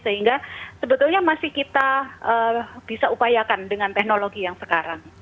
sehingga sebetulnya masih kita bisa upayakan dengan teknologi yang sekarang